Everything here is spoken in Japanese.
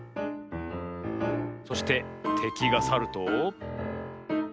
そしててきがさると。